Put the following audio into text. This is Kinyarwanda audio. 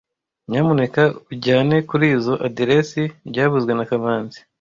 Nyamuneka unjyane kurizoi aderesi byavuzwe na kamanzi